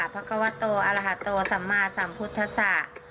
ภักกะวัตโตอรหัตโตสัมมาสัมพุทธศาสตร์